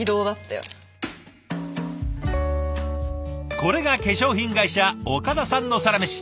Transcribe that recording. これが化粧品会社岡田さんのサラメシ。